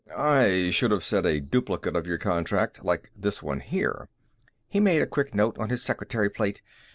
"I should have said a duplicate of your contract like this one here." He made a quick note on his secretary plate.